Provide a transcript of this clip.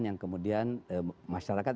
yang kemudian masyarakat